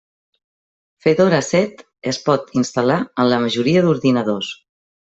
Fedora set es pot instal·lar en la majoria d'ordinadors.